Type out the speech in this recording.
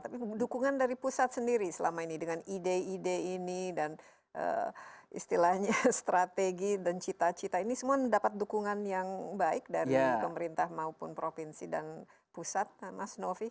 tapi dukungan dari pusat sendiri selama ini dengan ide ide ini dan istilahnya strategi dan cita cita ini semua mendapat dukungan yang baik dari pemerintah maupun provinsi dan pusat mas novi